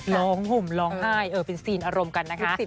ห่มร้องไห้เป็นซีนอารมณ์กันนะคะ